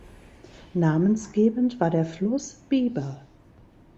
Namensgebend war der Fluss Bieber.